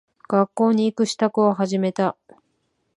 学校に行く支度を始めた。